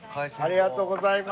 ありがとうございます。